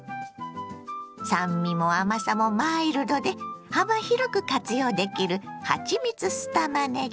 酸味も甘さもマイルドで幅広く活用できる「はちみつ酢たまねぎ」。